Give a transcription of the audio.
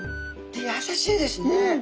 やさしいですね。